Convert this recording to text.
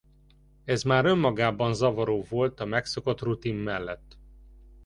Ez már önmagában zavaró volt a megszokott rutin mellett.